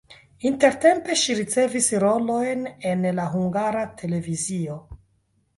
Intertempe ŝi ricevis rolojn en la Hungara Televizio.